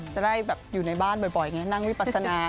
จะได้แบบอยู่ในบ้านบ่อยไงนั่งวิปัสนา